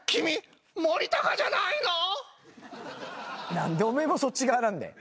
何でお前もそっち側なんだよ。